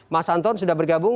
mas anton sudah bergabung